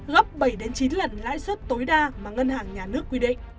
gấp bảy chín lần lãi suất tối đa mà ngân hàng nhà nước quy định